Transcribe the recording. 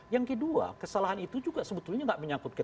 yang kedua kesalahan itu juga sebetulnya tidak menyangkut